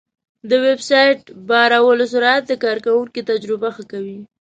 د ویب سایټ بارولو سرعت د کارونکي تجربه ښه کوي.